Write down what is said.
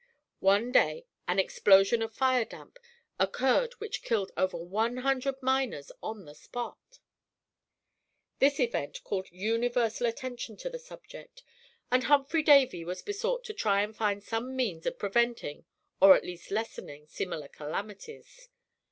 One day an explosion of fire damp occurred which killed over one hundred miners on the spot. This event called universal attention to the subject, and Humphry Davy was besought to try and find some means of preventing, or at least lessening, similar calamities.